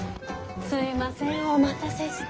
すいませんお待たせして。